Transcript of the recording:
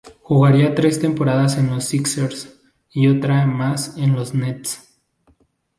Jugaría tres temporadas en los Sixers y otra más en los Nets.